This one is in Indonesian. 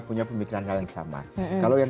punya pemikiran hal yang sama kalau yang